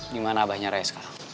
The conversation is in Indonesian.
dimana abahnya raya sekarang